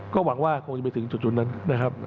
ก็หวังว่าคงจะไปถึงจุดนั้นนะครับ